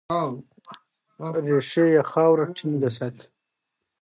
ریښې یې خاوره ټینګه ساتي.